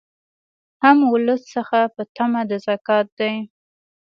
هم ولس څخه په طمع د زکات دي